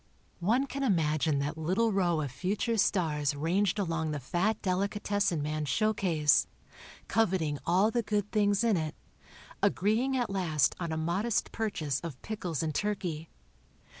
One can imagine that little row of future stars ranged along the fat delicatessen man's showcase, coveting all the good things in it, agreeing at last on a modest purchase of pickles and turkey.